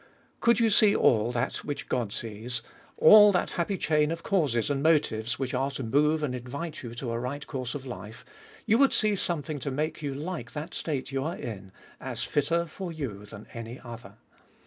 Could you see all that which God sees, all that happy chain of causes and motives, which are to move and invite you to a right course of life, you would see something to make you like that state you are in, as fitter for you than any other.